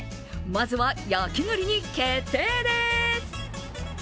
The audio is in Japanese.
まずは焼き栗に決定です！